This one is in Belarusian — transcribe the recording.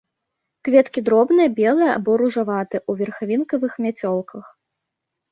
Кветкі дробныя, белыя або ружаватыя, у верхавінкавых мяцёлках.